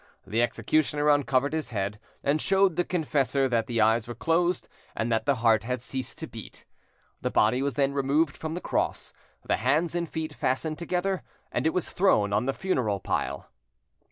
The executioner uncovered his head and showed the confessor that the eyes were closed and that the heart had ceased to beat. The body was then removed from the cross, the hands and feet fastened together, and it was thrown on the funeral pile.